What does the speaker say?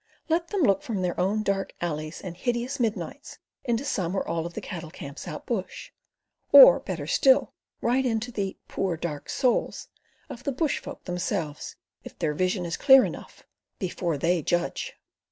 Let them look from their own dark alleys and hideous midnights into some or all of the cattle camps out bush, or, better still, right into the "poor dark souls'" of the bush folk themselves—if their vision is clear enough—before they judge.